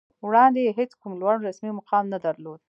وړاندې یې هېڅ کوم لوړ رسمي مقام نه درلود